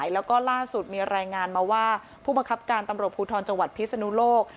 แล้วก็ล่าสุดมีรายงานมาว่าผู้บังคับการตำรวจภูทรจังหวัดพิศนุโลก